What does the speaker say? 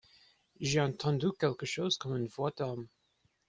J’ai entendu quelque chose comme une voix d’homme…